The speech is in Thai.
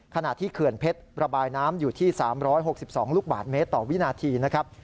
เขื่อนเพชรระบายน้ำอยู่ที่๓๖๒ลูกบาทเมตรต่อวินาทีนะครับ